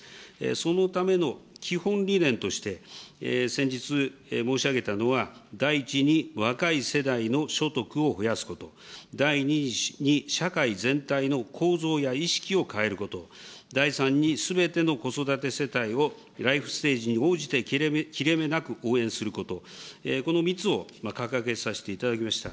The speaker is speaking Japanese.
そのための基本理念として、先日申し上げたのは、第１に若い世代の所得を増やすこと、第２に社会全体の構造や意識を変えること、第３にすべての子育て世帯をライフステージに応じて切れ目なく応援すること、この３つを掲げさせていただきました。